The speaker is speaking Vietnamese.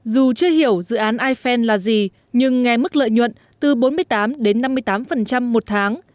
dù chưa hiểu dự án iphen là gì nhưng nghe mức lợi nhuận từ bốn mươi tám đến năm mươi tám một tháng